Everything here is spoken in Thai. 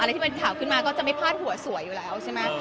อะไรที่มันข่าวขึ้นมาก็จะไม่พลาดหัวสวยอยู่แล้วใช่มั้ย